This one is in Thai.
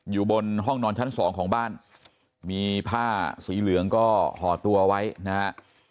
อยู่บนห้องนอนชั้นสองของบ้านมีผ้าสีเหลืองก็ห่อตัวไว้นะฮะ